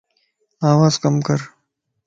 آواز ڪم ڪر